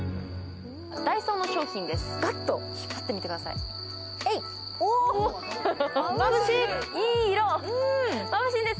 ダイソーの商品です。